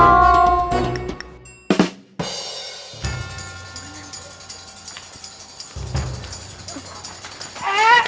ada nggak ada tung